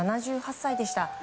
７８歳でした。